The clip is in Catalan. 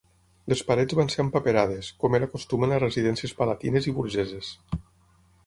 Les parets van ser empaperades, com era costum en les residències palatines i burgeses.